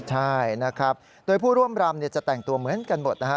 ใช่นะครับโดยผู้ร่วมรำจะแต่งตัวเหมือนกันหมดนะฮะ